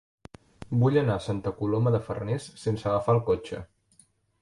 Vull anar a Santa Coloma de Farners sense agafar el cotxe.